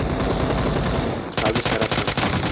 Salʙij tarafdan